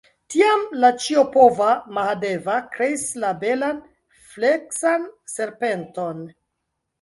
Tiam la ĉiopova Mahadeva kreis la belan, fleksan serpenton.